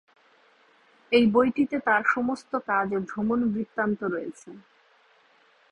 এই বইটিতে তার সমস্ত কাজ ও ভ্রমণ বৃত্তান্ত রয়েছে।